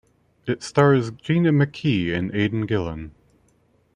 It stars Gina McKee and Aidan Gillen.